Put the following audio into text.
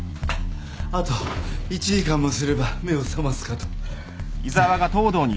あと１時間もすれば目を覚ますかと。